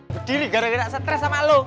berdiri gara gara stres sama lo